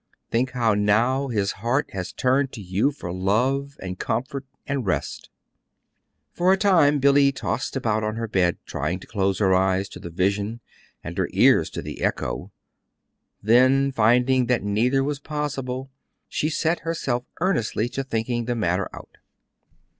Think how now his heart has turned to you for love and comfort and rest." For a time Billy tossed about on her bed trying to close her eyes to the vision and her ears to the echo. Then, finding that neither was possible, she set herself earnestly to thinking the matter out.